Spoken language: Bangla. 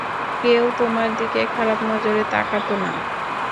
কেউ তোমার দিকে খারাপ নজরে তাকাতো না।